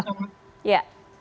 terima kasih bapak